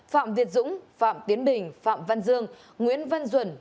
phạm việt dũng phạm tiến bình phạm văn dương nguyễn văn duẩn